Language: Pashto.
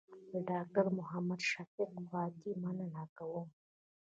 له ډاکټر محمد شفق خواتي مننه کوم.